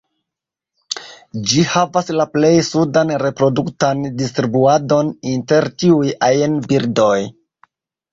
Ĝi havas la plej sudan reproduktan distribuadon inter ĉiuj ajn birdoj.